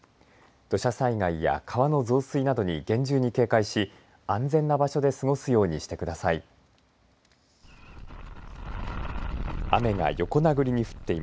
土砂災害や川の増水などに厳重に警戒し、安全な場所で過ごすようにしてください。